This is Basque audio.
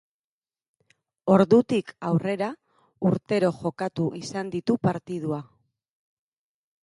Ordutik aurrera urtero jokatu izan ditu partidua.